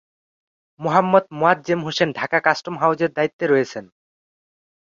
Mohammad Moazzem Hossain Dhaka custom হাউজের দায়িত্বে রয়েছেন।